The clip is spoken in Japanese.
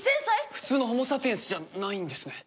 普通のホモサピエンスじゃないんですね。